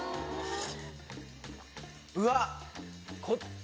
うわっ！